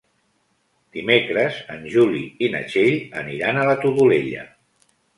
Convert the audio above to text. Dimecres en Juli i na Txell aniran a la Todolella.